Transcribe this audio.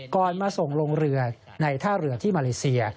มาส่งลงเรือในท่าเรือที่มาเลเซีย